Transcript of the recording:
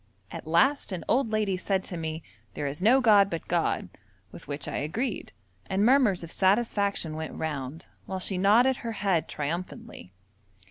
At last an old lady said to me, 'There is no god but God!' with which I agreed, and murmurs of satisfaction went round, while she nodded her head triumphantly.